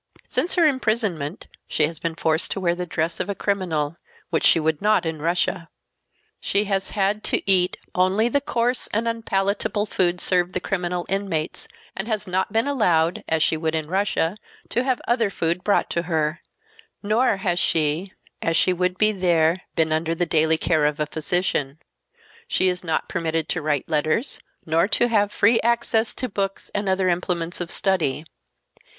Since her imprisonment she has been forced to wear the dress of a criminal, which she would not in Russia; she has had to eat only the coarse and unpalatable food served the criminal inmates, and has not been allowed, as she would in Russia, to have other food brought to her; nor has she, as she would be there been under the daily care of a physician. She is not permitted to write letters, nor to have free access to books and other implements of study.